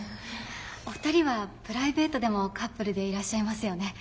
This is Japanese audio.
お二人はプライベートでもカップルでいらっしゃいますよね。